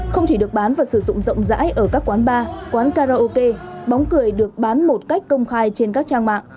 không chỉ được bán và sử dụng rộng rãi ở các quán bar quán karaoke bóng cười được bán một cách công khai trên các trang mạng